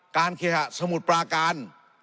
การเกฮะสมุทรปลากาล